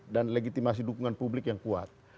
dan legitimasi dukungan publik yang kuat